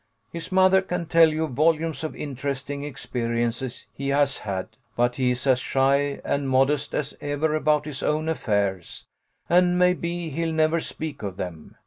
His mother can tell you volumes of interesting experiences he has had, but he is as shy and modest as ever about his own affairs, and maybe he'll never speak of them.